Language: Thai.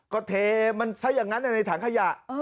ก็เทมันซะอย่างนั้นในถังขยะ